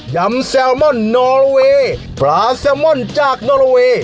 ำแซลมอนนอลเวย์ปลาแซลมอนจากนอเวย์